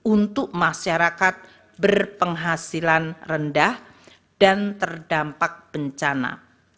untuk masyarakat berpenghasilan rendah dan terdampak bencana